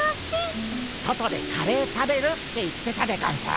外でカレー食べるって言ってたでゴンス。